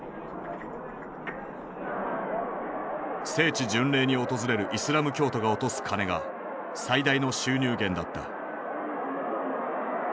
聖地巡礼に訪れるイスラム教徒が落とす金が最大の収入源だった。